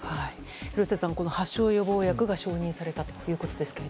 廣瀬さん、発症予防薬が承認されたということですが。